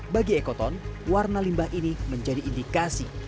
bagi ekoton warna limbah ini menjadi indikasi